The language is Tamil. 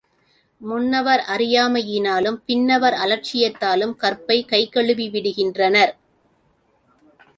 முன்னவர் அறியாமையினாலும், பின்னவர் அலட்சியத்தாலும் கற்பைக் கைகழுவி விடுகின்றனர்.